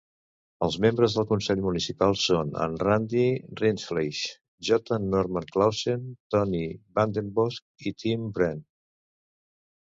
Els membres del Consell Municipal són en Randy Rindfleisch, J. Norman Clausen, Tony VandenBosch i Tim Wrenn.